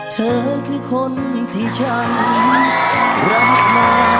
เธอคือคนที่ฉันรักมา